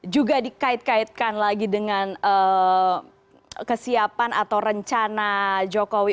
juga dikait kaitkan lagi dengan kesiapan atau rencana jokowi